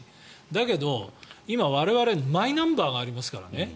だけど、今、我々はマイナンバーがありますからね。